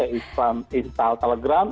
kayak install telegram